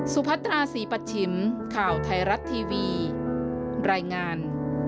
พัตราศรีปัชชิมข่าวไทยรัฐทีวีรายงาน